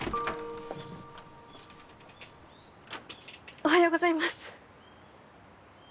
おはようございます。